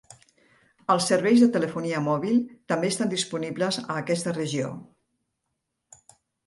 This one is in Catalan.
Els serveis de telefonia mòbil també estan disponibles a aquesta regió.